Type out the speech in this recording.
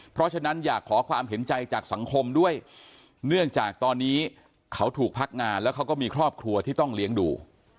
เพราะฉะนั้นอยากขอความเห็นใจจากสังคมด้วยเนื่องจากตอนนี้เขาถูกพักงานแล้วเขาก็มีครอบครัวที่ต้องเลี้ยงดู